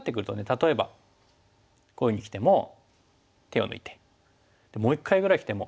例えばこういうふうにきても手を抜いてでもう一回ぐらいきても。